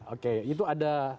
oke itu ada